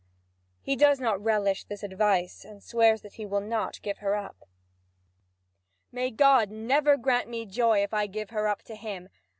He does not relish this advice, and swears that he will not give her up: "May God never grant me joy if I give her up to him!